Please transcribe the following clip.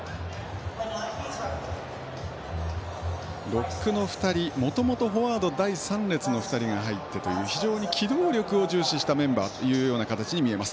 ロックの２人もともとフォワード第３列の２人が入ってという非常に機動力を重視したメンバーというような形に見えます。